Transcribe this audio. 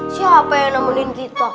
siapa yang nemenin kita